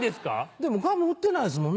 でもガム売ってないですもんね？